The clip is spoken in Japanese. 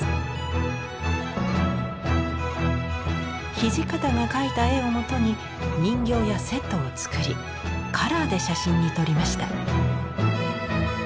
土方が描いた絵をもとに人形やセットを作りカラーで写真に撮りました。